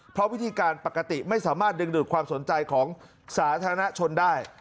เพราะวิธีการปกติไม่สามารถดึงดูดความสนใจของสาธารณชนได้